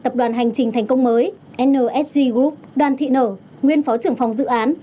tập đoàn hành trình thành công mới nsg group đoàn thị nở nguyên phó trưởng phòng dự án